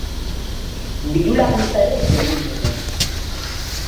Diru-laguntza ere kendu diote.